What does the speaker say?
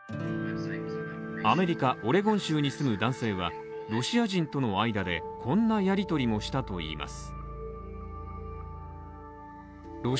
アメリカ・オレゴン州に住む男性はロシア人との間でこんなやりとりもしたといいます。